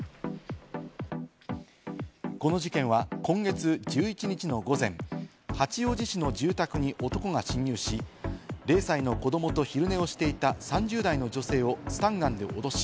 この事件は今月１１日の午前、八王子市の住宅に男が侵入し、０歳の子どもと昼寝をしていた３０代の女性をスタンガンで脅し、